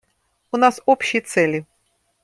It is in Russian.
У нас общие цели.